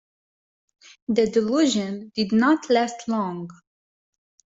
The delusion did not last long.